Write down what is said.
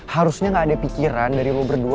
harusnya gak ada pikiran dari lo berdua